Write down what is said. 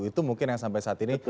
itu mungkin yang sampai saat ini